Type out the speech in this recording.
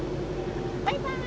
バイバーイ。